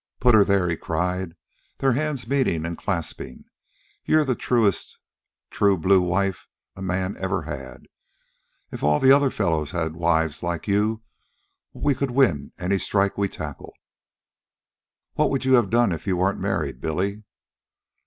"Put her there!" he cried, their hands meeting and clasping. "You're the truest true blue wife a man ever had. If all the other fellows' wives was like you, we could win any strike we tackled." "What would you have done if you weren't married, Billy?"